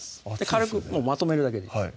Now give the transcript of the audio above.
軽くまとめるだけでいいです